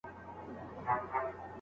داسي ډېري دوړي دي .